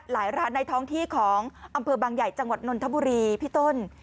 ร้านในท้องที่ของอำเภอบางใหญ่จังหวัดนนทบุรีพี่ต้น